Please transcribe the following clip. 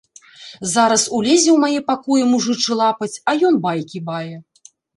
Зараз улезе ў мае пакоі мужычы лапаць, а ён байкі бае.